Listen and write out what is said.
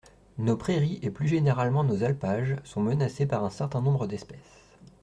Nos prairies et plus généralement nos alpages sont menacés par un certain nombre d’espèces.